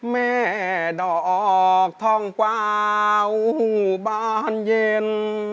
แม่ดอกออกท่องกวาวบานเย็น